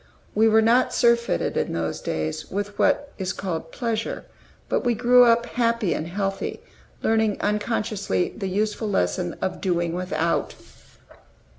We were not surfeited, in those days, with what is called pleasure; but we grew up happy and healthy, learning unconsciously the useful lesson of doing without.